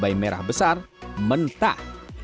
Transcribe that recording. bayi merah besar mentah